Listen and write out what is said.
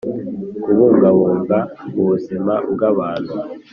kubungabunga ubuzima bw abantu